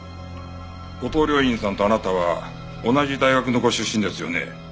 後藤了胤さんとあなたは同じ大学のご出身ですよね。